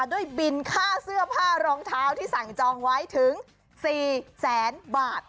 ด้วยบินค่าเสื้อผ้ารองเท้าที่สั่งจองไว้ถึง๔แสนบาท